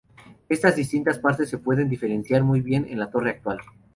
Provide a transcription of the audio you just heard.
Estas distintas partes se pueden diferenciar muy bien en la torre actual.